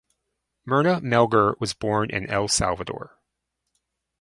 Myrna Melgar was born in El Salvador.